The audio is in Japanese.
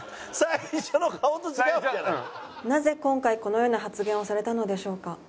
なぜ今回このような発言をされたのでしょうか？